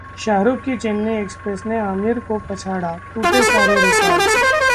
शाहरुख की चेन्नई एक्सप्रेस ने आमिर को पछाड़ा, टूटे सारे रिकॉर्ड